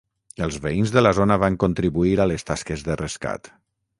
Els veïns de la zona van contribuir a les tasques de rescat.